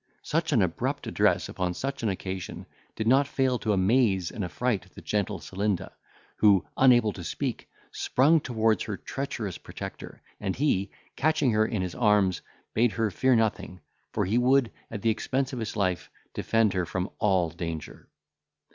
Such an abrupt address upon such an occasion, did not fail to amaze and affright the gentle Celinda, who, unable to speak, sprung towards her treacherous protector; and he, catching her in his arms, bade her fear nothing, for he would, at the expense of his life, defend her from all danger.